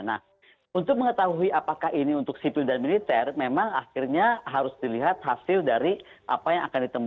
nah untuk mengetahui apakah ini untuk sipil dan militer memang akhirnya harus dilihat hasil dari apa yang akan ditemukan